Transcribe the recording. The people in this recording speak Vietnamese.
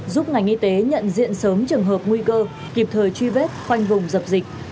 giúp ngành y tế nhận diện sớm trường hợp nguy cơ kịp thời truy vết khoanh vùng dập dịch